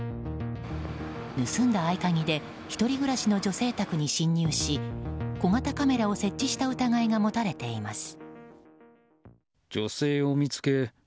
盗んだ合鍵で１人暮らし女性宅に侵入し小型カメラを設置した疑いが持たれています。